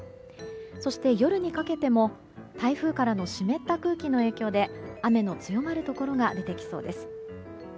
そして夜にかけても台風からの湿った空気の影響で雨の強まるところが出てきそうです。